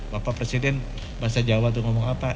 bapak presiden bahasa jawa itu ngomong apa